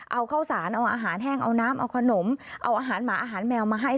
เอาข้าวสารเอาอาหารแห้งเอาน้ำเอาขนมเอาอาหารหมาอาหารแมวมาให้